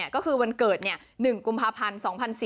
ก็คือวันเกิด๑กุมภาพันธ์๒๔๙